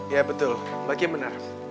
iya betul mbak kiem benar